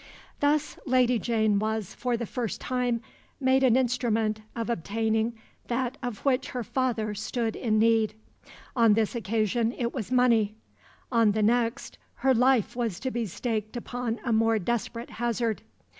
Thus Lady Jane was, for the first time, made an instrument of obtaining that of which her father stood in need. On this occasion it was money; on the next her life was to be staked upon a more desperate hazard.